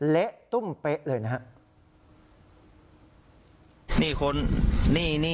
เละตุ้มเป๊ะเลยนะฮะ